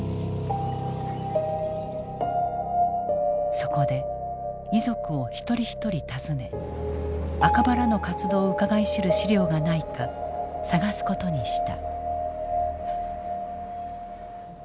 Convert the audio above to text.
そこで遺族を一人一人訪ね赤羽らの活動をうかがい知る資料がないか探すことにした。